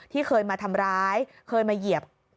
เคยมาทำร้ายเคยมาเหยียบ